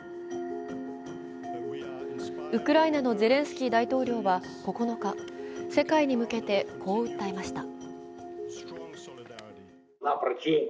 ウクライナのゼレンスキー大統領は９日、世界に向けてこう訴えました。